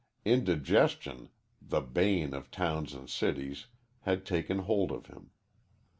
Indigestion, the bane of towns and cities, had taken hold of him.